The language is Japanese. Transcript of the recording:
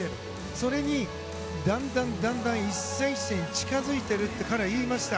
それにだんだん一戦一戦近づいていると彼は言いました。